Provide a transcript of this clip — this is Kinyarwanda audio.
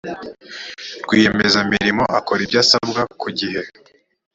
rwiyemezamirimo akora ibyo asabwa ku gihe